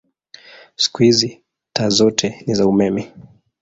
Siku hizi taa zote ni za umeme.